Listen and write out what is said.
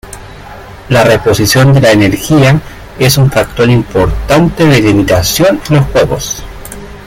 La reposición de la energía es un factor importante de limitación en los juegos.